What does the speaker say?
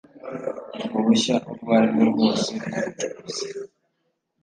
Uruhushya urwo ari rwo rwose rw ubucukuzi